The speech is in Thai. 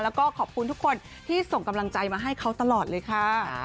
แล้วก็ขอบคุณทุกคนที่ส่งกำลังใจมาให้เขาตลอดเลยค่ะ